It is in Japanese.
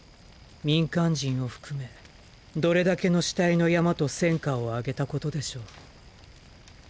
民間人を含めどれだけの死体の山と戦果を挙げたことでしょう。